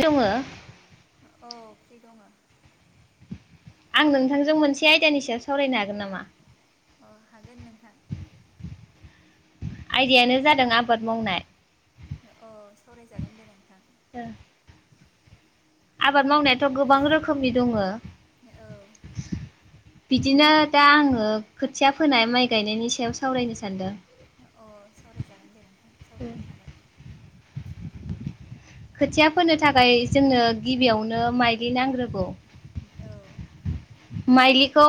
दोङो औ फ्रि दङो। आं नोंथांजों मोनसे आयदानि सायाव सावरायनो हागोन नामा? अ हागोन नोंथां। आयदायानो जादों आबाद मावनाय। औ सावरायजागोन दे नोंथां। ओं आबाद मावनायाथ गोबां रोखोमनि दङो। औ बिदिनो दा आङो खोथिया फोनाय माइ गायनायनि सायाव सावरायनो सान्दों। अ सावरायजागोन दे नोंथां सावरायनो हागोन। खोथिया फोनो थाखाय जोंनो गिबियावनो माइदि नांग्रोगौ औ माइलिखौ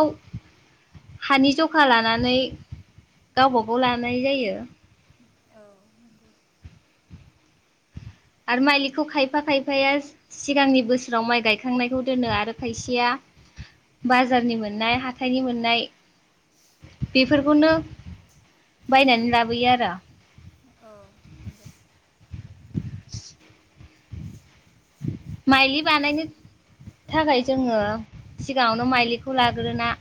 हानि जखा लानानै गावबाागाव लानाय जायो। औ नंगौ आरो मालिखौ खायफा खायफाया सिगांनि बोसोराव माइ गायखांनायखौ दोनो आरो खायसेया बाजारनि मोननाय हाथाइनि मोननाय बेफोरखौनो बायनानै लाबोयो आरो औ दे माइलि बानायनो थाखाय जोङो सिगाङावनो माइलिखौ लाग्रोना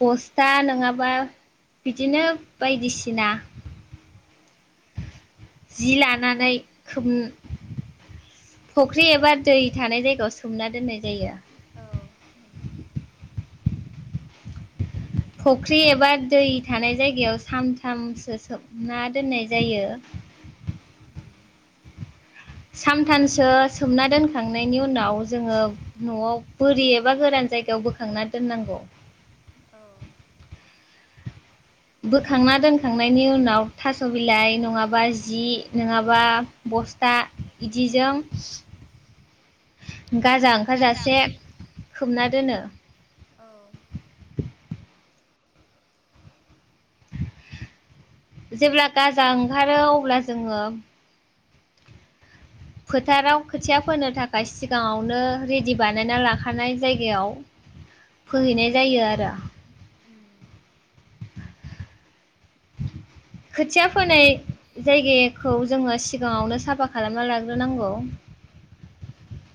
बस्था नङाबा बिदिनो बायदिसिना जि लानानै खोब फख्रि एबा दै थानाय जायगायाव सोमना दोननाय जायो। औ नोंथां फुख्रि एबा दै थानाय जायगायाव सानथामसो सोबना दोननाय जायो। सानथामसो सोमना दोनखांनायनि उनाव जोङो नआव बोरि एबा गोरान जायगायाव बोखांना दोननांगौ। औ बोखांना दोनखांनायनि उनाव थास' बिलाइ नङाबा जि नङाबा बस्था बिदिजों गाजा ओंखारजासे खोबना दोनो। औ जेब्ला गाजा ओंखारो अब्ला जोङो फोथाराव खोथिया फोनो थाखाय सिगाङावनो रेडि बानायना लाखानाय जायगायाव फोहैनाय जायो आरो। ओं खोथिया फोनाय जायगायाखौ जोङो सिगाङावनो साफा खालामना लाग्रोनांगौ।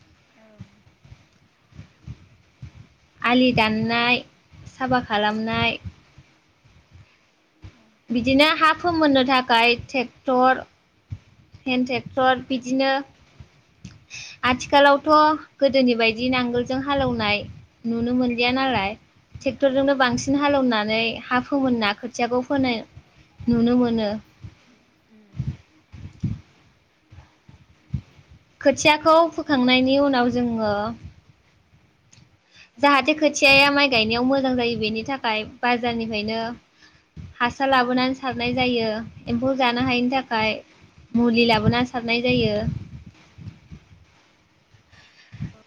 औ नंगौ नोंथां। आलि दाननाय साफा खालामनाय बिदिनो हा फोमोननो थाखाय टेक्टर हेन टेक्टर बिदिनो आथिखालावथ' गोदोनि बायदि नांगोलजों हालेवनाय नुनो मोनलिया नालाय। औ टेक्टरजोंनो बांसिन हालेवनानै हा फोमोन ना खोथियाखौ नुनो मोनो। उम। खोथियाखौ फोखांनायनि उनाव जोङो जाहाथे खोथियाया माइ गायनायाव मोजां जायो बेनि थाखाय बाजारनिफ्रायनो हासार लाबोनानै सारनाय जायो। एम्फौ जानो हायिनि थाखाय मुलि लाबोना सारनाय जायो।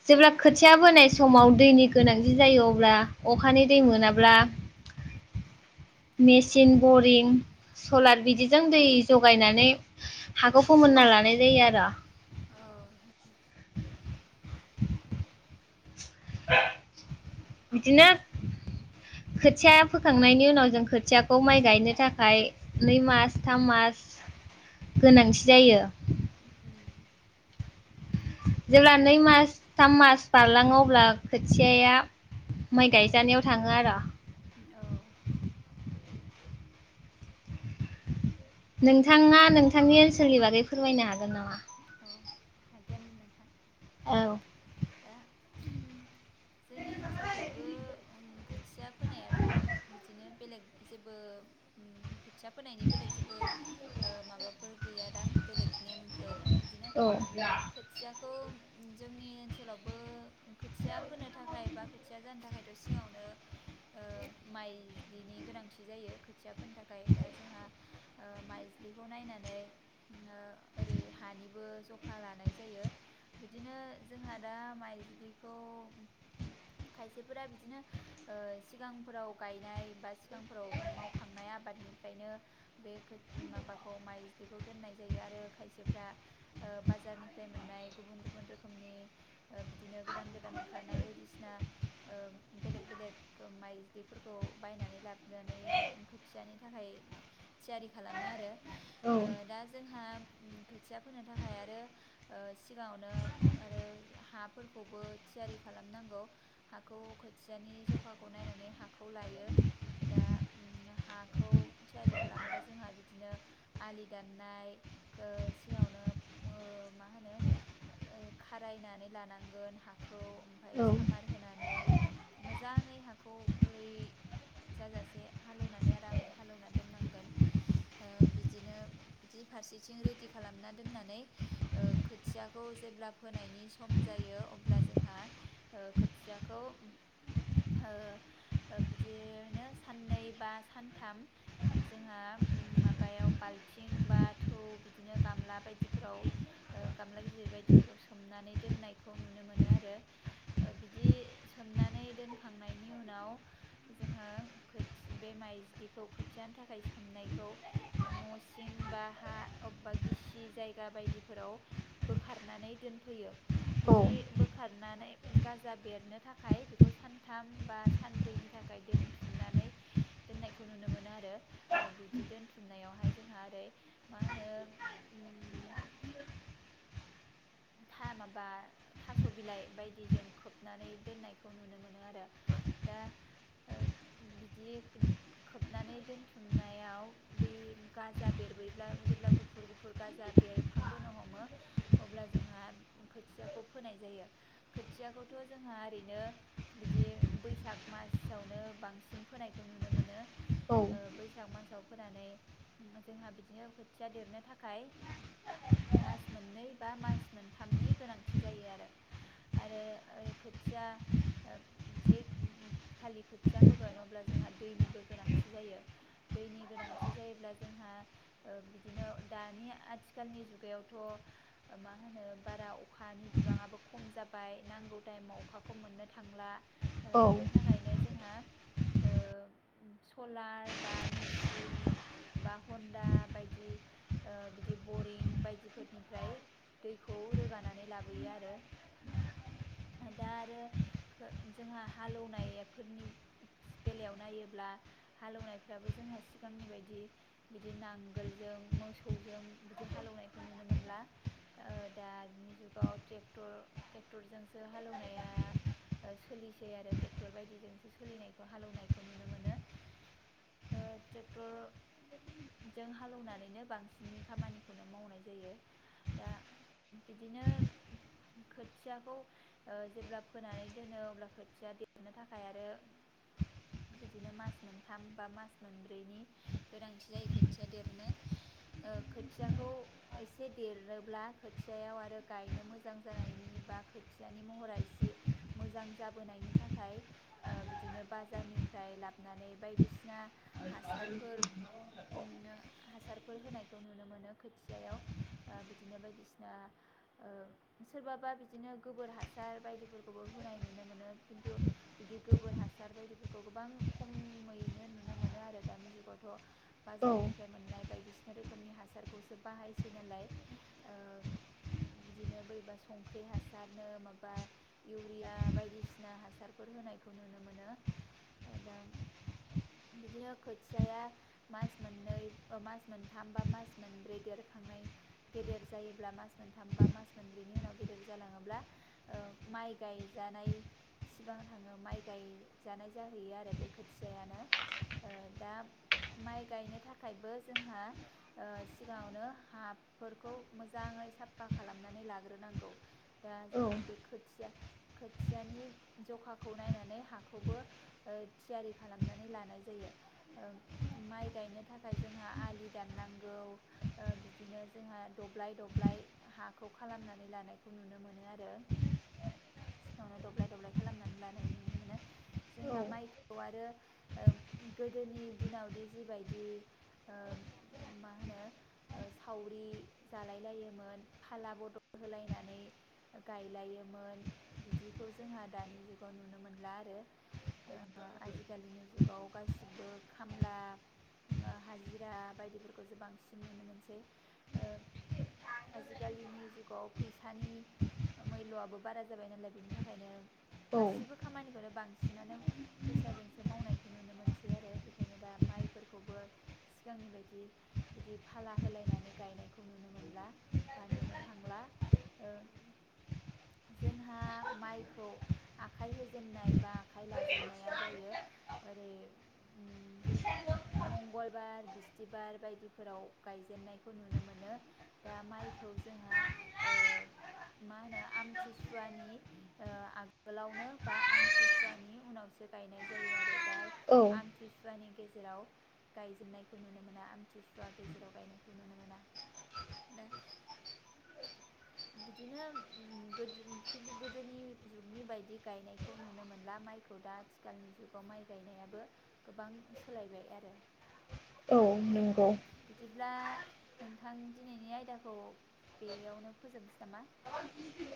जेब्ला खोथिया बोनाय समाव दैनि गोनांथि जायो अब्ला अखानि दै मोनाब्ला मेचिन बरिं सलार बिदिजों दै जगायनानै हाखौ फोमोनना लानाय जायो आरो। बिदिनो खोथिया फोखांनायनि उनाव जों खोथियाखौ माइ गायनो थाखाय नै मास थाम मास गोनांथि जायो। उम। जेब्ला नै मास थाम मास बारलाङो अब्ला खोथियाया माइ गायजानायाव थाङो आरो औ। नोंथाङा नोंथांनि ओनसोलनि बागै फोरमायनो हागोन नामा? अ हागोन नोंथां। औ। दा जोंनि ओनसोलखैबो ओं खोथिया फोनायाथ' बिदिनो बेलेग जेबो उम खोथिया फोनायनि बेलेग जेबो ओ माबाफोर गैयादां बेलेग नेमफोर बिदिनो औ खोथियाखौ जोंनि ओनसोलावबो खोथिया फोनो थाखाय बा खोथिया जानो थाखायथ सिगाङावनो ओ माइज्लिनि गोनांथि जायो खोथिया फोनो थाखाय दा जोंहा ओ माइज्लिखौ नायनानै ओ ओरै हानि बो जखा लानाय जायो बिदिनो जोंहा दा माइज्लिखौ खायसेफोरा बिदिनो ओ सिगांफोराव गायनाय बा सिगांफोराव मावखांनाय आबादनिफ्रायनो बे माबाखौ माइज्लिखौ दोननाय जायो आरो खायसेफ्रा ओ बाजारनिफ्राय मोननाय गुबुन गुबुन रोखोमनि ओ बिदिनो गोदान गोदान ओंखारनाय बायदिसिना ओ बेलेग बेलेग माइज्लिफोरखौ बायनानै लाबोनानै खोथियानि थाखाय थियारि खालामो आरो। औ ओ दा जोंहा उम खोथिया फोनो थाखाय आरो ओ सिगाङावनो आरो हाफोरखौबो थियारि खालामनांगौ हाखौ खोथियानि जखाखौ नायनानै हाखौ लायो दा हाखौ थियारि खालामबा जोंहा बिदिनो आलि दाननाय खो सिगाङावनो ओ मा होनो खारायनानै लानांगोन हाखौ ओमफाय औ सामार होनानै मोजाङै हाखौ गुरै जाजासे हालेवनानै आरामै हालेवना दोननांगोन ओ बिदिनो बि फारसेथिं रेडि खालामना दोन नानै ओ खोथियाखौ जेब्ला फोनायनि सम जायो अब्ला जोंहा ओ खोथियाखौ ओ बिदियैनो साननै बा सानथाम जोंहा माबायाव बालथिं बा थौ बिदिनो गामला बायदि फ्राव ओ गामला गिदिर बायदिफोराव सोमनानै दोननायखौ नुनो मोनो आरो ओ बिदि सोमनानै दोनखांनायनि उनाव जोङो बे माइज्लिखौ खोथियाानो थाखाय सोमनायखौ न' सिं बा हा अबेबा गिसि जायगा बायदिफोराव बोखारनानै दोनफैयो। औ बिदि बोखारनानै गाजा बेरनो थाखाय बेखौ सानथाम बा सानब्रैनि थाखाय दोनथुमनानै दोननायखौ नुनो मोनो। आरो ओ बिदि दोनथुमनायावहाय जोंहा ओरै मा होनो उम था माबा थास' बिलाइ बायदि जों खोबनानै दोननायखौ नुनो मोनो आरो। दा ओ बिदि खोबनानै दोनथुमनायाव बे गाजा बेरबोयोब्ला जेब्ला गुफुर गुफुर गाजा बेरखांबोनो हमो अब्ला जोंहा खोथियाखौ फोनाय जायो खोथियाखौथ जोंहा ओरैनो बिदि बैसाग मासावनो बांसिन फोनायखौ नुनो मोनो। औ ओ बैसाग मासाव फोनानै जोंहा बिदिनो खोथिया देरनो थाखाय मास मोननै बा मास मोनथामनि गोनांथि जायो आरो आरो ओ खोथिया जे खालि खोथिया फोगोन अब्ला जोंहा दैनिबो गोनांथि जायो दैनि गोनांथि जायोब्ला जोंहा ओ बिदिनो दानि आथिखालनि जुगायावथ मा मा होनो बारा अखानि बिबांङाबो खम जाबाय नांगौ टायमाव अखाखौ मोननो थांला। ओ बेनि थाखायनो जोंहा ओ सलार बा मेसिन बा हन्दा बायदि बिदि बरिं बायदिफोरनिफ्राय दैखौ रोगानानै लाबोयो आरो दा आरो जोंहा हालौनायफोरनि बेलायाव नायोब्ला हालेवनायफ्राबो जोंहा सिगांनि बायदि बिदि नांगोलजों मोसौजों बिदि हालौनायखौ नुनो मोनला। ओ दानि जुगाव ट्रेक्टर ट्रेक्टरजोंसो हालौनाया ओ सोलिसै आरो ट्रेक्टर बायदिजोंसो सोलिनायखौ हालेवनायखौ नुनो मोनो ओ ट्रेक्टरजों हालौनानैनो बांसिन खामानिखौनो मावनाय जायो। दा बिदिनो खोथियाखौ ओ जेब्ला फोनानै दोनो अब्ला खोथिया देरनो थाखाय आरो बिदिनो मास मोनथाम बा मास मोनब्रैनि गोनांथि जायो खोथिया देरनो ओ खोथियाखौ एसे देरो ब्ला खोथियायाव आरो गायनो मोजां जानायनि बा खोथियानि महरा एसे मोजां जाबोनायनि थाखाय ओ बिदिनो बाजारनिफ्राय लाबोनानै बायदिसिना हासारफोर मोनो हासारफोर होनाय नुनो मोनो खोथियायाव ओ बि बिदिनो बायदिसिना ओ सोरबाबा बिदिनो गोबोर हासार बायदिफोरखौबो होनाय नुनो मोनो खिन्थु बिदि गोबोर हासार बायदिफोरखौ गोबां खमैनो नुनो मोनो आरो दानि जुगावथ। औ बाजारनिफ्राय मोननाय बायदि रोखोमनि हासारखौसो बाहायसै नालाय। ओ बिदिनो बोरैबा संख्रि हासारनो माबा इउरिया बायदिसिना हासारफोर होनायखौ नुनो मोनो दा बिदिनो खोथियाया मास मोननै ओ मास मोनथाम बा मास मोनब्रै देरखांनाय गेदेर जायोब्ला मास मोनथाम बा मास मोनब्रैनि उनाव गेदेर जालांङोब्ला ओ माय गायजानाय सिगां थांङो माय गायजानाय जाहैयो आरो बे खोथियायानो ओ दा माय गायनो थाखायबो जोंहा ओ सिगाङावनो हाफोरखौ मोजांङै साफा खालामनानै लाग्रोनांगौ। दा औ जोंहा बे खोथिया खोथियानि जखाखौ नायनानै हाखौबो ओ थियारि खालामनानै लानाय जायो ओ माय गायनो थाखाय जोंहा आलि दाननांगौ ओ बिदिनो जोंहा दब्लाय-दब्लाय हाखौ खालामनानै लानायखौ नुनो मोनो आरो सिगांआव दब्लाय-दब्लाय खालामनानै लानाय नुनो मोनो। जोंहा मायखौ आरो गोदोनि दिनावदि जिबायदि ओ मा होनो ओ सावरि जालाय लायोमोन फाला बदल होलायनानै गायलायोमोन। आजिखालिनि जुगाव फैसानि मैल'आबो बारा जाबाय नालाय बिनि थाखायनो गासिबो खामानिखौनो बां सिनानो फैसाजोंसो मावनायखौ नुनो मोनसै आरो बेखायनो दा मायफोरखौबो सिगांनि बायदि बिदि फाला होलायनानै गायनाय खौ नुनो मोनला बा नुनो थांला जोंहा मायखौ आखाय होजेननाय बा आखाय लाजेननाया जायो ओरै [inaudible] मंगलबार बिस्थिबार बायदिफोराव गायजेननायखौ नुनो मो नो दा मायखौ जोंहा मा होनो आमथिसुवानि आगोलावनो बा आमथिसुवानि उनावसो गायनाय जायो आरो। दा औ आमथिसुयानि गे जेराव गायजेननायखौ नुनो मोना आमथिसुवा गेजेराव गायनायखौ नुनो मोना। दा बिदिनो गोदो खिन्थु गोदोनि जुगनि बायदि गायनायखौ नुनो मोनला मायखौ दा आथिखालनि जुगाव माय गायनायाबो गोबां सोलायबाय आरो। औ नंगौ अब्ला नोंथां दिनैनि आयदाखौ बेयावनो फोजोबनोसै नामा।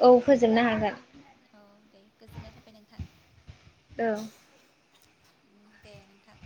औ फोजोबनो हागोन औ दे गोजोननाय थाबाय नोंथां औ दे नोंथां